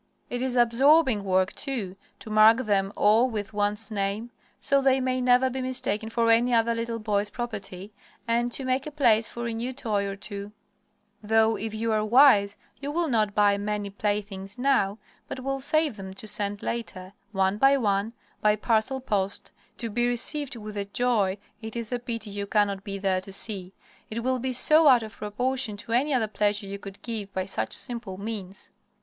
It is absorbing work, too, to mark them all with one's name, so they may never be mistaken for any other little boy's property, and to make a place for a new toy or two, though if you are wise you will not buy many playthings now, but will save them to send later, one by one, by parcel post, to be received with a joy it is a pity you cannot be there to see, it will be so out of proportion to any other pleasure you could give by such simple means.